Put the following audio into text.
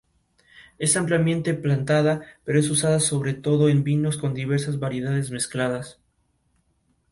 La provincia produce arroz, maíz, hortalizas, frutas, carne de res, tilapia y otros alimentos.